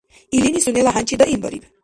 Илини сунела хӀянчи даимбариб.